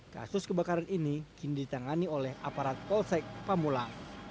kasus kebakaran ini kini ditangani oleh aparat polsek pamulang